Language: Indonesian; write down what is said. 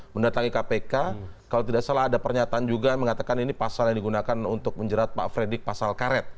mendatangi kpk kalau tidak salah ada pernyataan juga mengatakan ini pasal yang digunakan untuk menjerat pak fredrik pasal karet